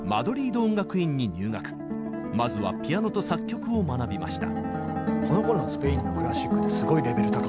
まずはピアノと作曲を学びました。